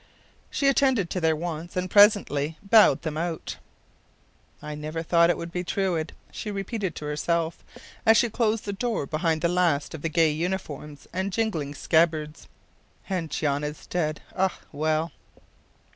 She attended to their wants, and presently bowed them out. “I never thought it would be Truide,” she repeated to herself, as she closed the door behind the last of the gay uniforms and jingling scabbards. “And Jan is dead ah, well!